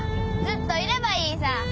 ずっといればいいさぁ。